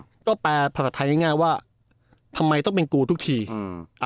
ก็แปลภาษาไทยง่ายง่ายว่าทำไมต้องเป็นกูทุกทีอืม